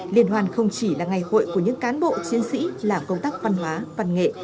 liên hoan không chỉ là ngày hội của những cán bộ chiến sĩ làm công tác văn hóa văn nghệ